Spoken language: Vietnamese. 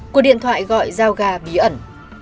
của điện thoại gọi giao ga bí ẩn